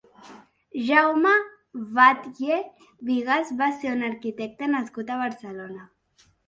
Jaume Batlle Bigas va ser un arquitecte nascut a Barcelona.